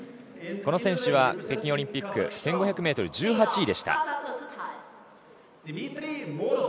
この選手は北京オリンピック１５００ｍ、１８位でした。